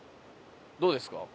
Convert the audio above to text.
どうですか？